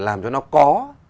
làm cho nó có